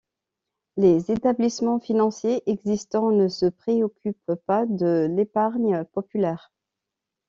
Les établissements financiers existants ne se préoccupent pas de l'épargne populaire.